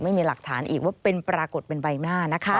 ไม่มีหลักฐานอีกว่าเป็นปรากฏเป็นใบหน้านะคะ